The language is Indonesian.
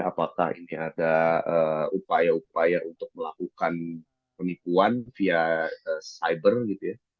apakah ini ada upaya upaya untuk melakukan penipuan via cyber gitu ya